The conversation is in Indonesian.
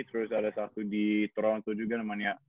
terus ada satu di toronto juga namanya